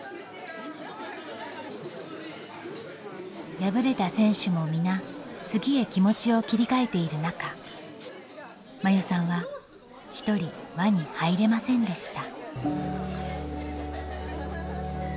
敗れた選手も皆次へ気持ちを切り替えている中真優さんは一人輪に入れませんでした。